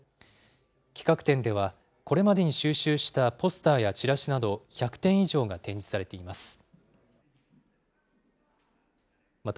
企画展では、これまでに収集したポスターやチラシなど１００点以上が展示されています。